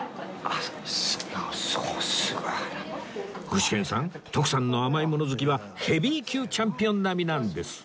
具志堅さん徳さんの甘いもの好きはヘビー級チャンピオン並みなんです